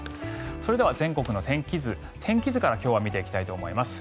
それでは全国の天気図から今日は見ていきたいと思います。